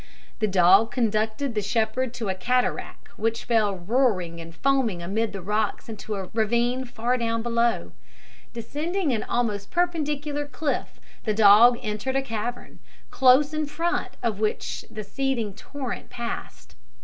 The dog conducted the shepherd to a cataract which fell roaring and foaming amid rocks into a ravine far down below. Descending an almost perpendicular cliff, the dog entered a cavern, close in front of which the seething torrent passed.